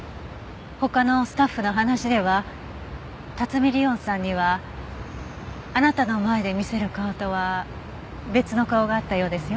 他のスタッフの話では辰見莉音さんにはあなたの前で見せる顔とは別の顔があったようですよ。